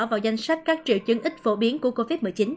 vào danh sách các triệu chứng ít phổ biến của covid một mươi chín